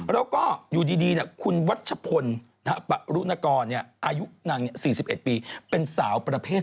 แล้วก็อยู่ดีคุณวัชพลปะรุณกรอายุ๔๑ปีเป็นสาวประเภท